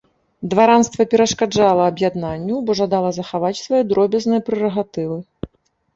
Дваранства перашкаджала аб'яднанню, бо жадала захаваць свае дробязныя прэрагатывы.